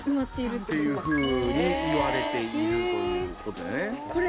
っていうふうにいわれているということだね。